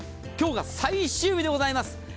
今日が最終日でございます。